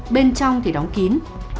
bên trong thì đóng kín